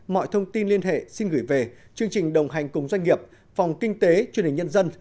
mọi thông tin liên hệ xin gửi về chương trình đồng hành cùng doanh nghiệp phòng kinh tế truyền hình nhân dân